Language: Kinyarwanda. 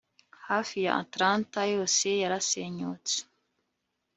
Hafi ya Atlanta yose yarasenyutse